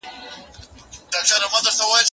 زه اوس سپينکۍ پرېولم!.